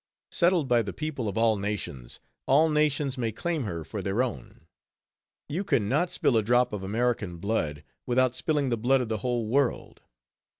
Settled by the people of all nations, all nations may claim her for their own. You can not spill a drop of American blood without spilling the blood of the whole world.